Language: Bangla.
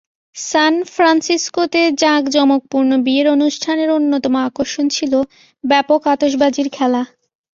সান ফ্রান্সিসকোতে জাঁকজমকপূর্ণ বিয়ের অনুষ্ঠানের অন্যতম আকর্ষণ ছিল ব্যাপক আতশবাজির খেলা।